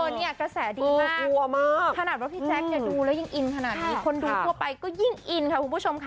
เนี่ยกระแสดีน่ากลัวมากขนาดว่าพี่แจ๊คเนี่ยดูแล้วยังอินขนาดนี้คนดูทั่วไปก็ยิ่งอินค่ะคุณผู้ชมค่ะ